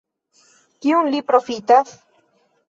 Kiun li profitas?